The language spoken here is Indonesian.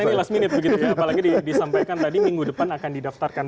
karena ini last minute begitu ya apalagi disampaikan tadi minggu depan akan didaftarkan